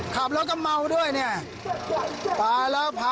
ขับรถก็เมาด้วยเนี่ย